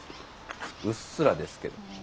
うっすらですけど。